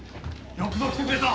よくぞ来てくれた。